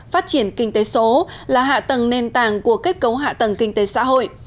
phát triển kinh tế số là hạ tầng nền tảng của kết cấu hạ tầng kinh tế xã hội